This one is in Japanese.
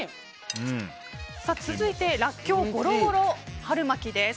続いてらっきょうゴロゴロ春巻きです。